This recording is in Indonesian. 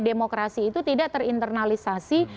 demokrasi itu tidak terinternalisasi